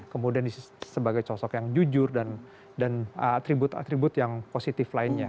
kemudian sebagai sosok yang jujur dan atribut atribut yang positif lainnya